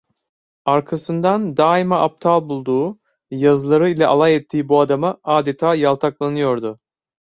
Arkasından daima aptal bulduğu, yazıları ile alay ettiği bu adama adeta yaltaklanıyordu.